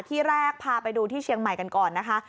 ที่แรกพาไปดูที่เชียงใหม่กันก่อนนะคะ